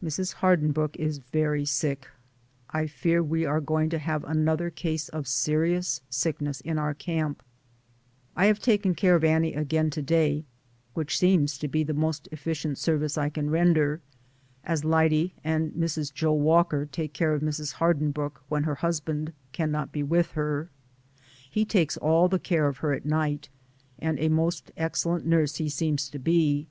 Mrs. Hardinbrooke is very sick ; I fear we are going to have another case of serious sickness in our camp, I have taken care of Annie again to day, which seems to be the most efficient service I can render, as Lyde and Mrs. Joe Walker take care of Mrs. Har dinbrooke when her husband cannot be with her. He takes all the care of her at night, and a most excellent nurse he seems to be.